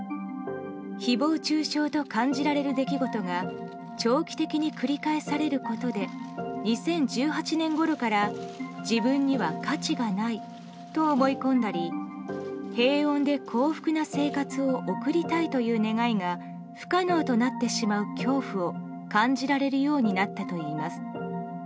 誹謗中傷と感じられる出来事が長期的に繰り返されることで２０１８年ごろから自分には価値がないと思い込んだり平穏で幸福な生活を送りたいという願いが不可能となってしまう恐怖を感じられるようになったといいます。